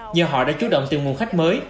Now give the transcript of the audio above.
nhờ họ đã chú động tìm nguồn khách mới